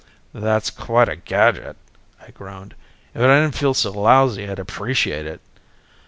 "That's quite a gadget," I groaned. "If I didn't feel so lousy, I'd appreciate it."